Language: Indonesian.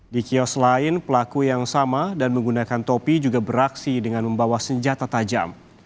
di kios lain pelaku yang sama dan menggunakan topi juga beraksi dengan membawa senjata tajam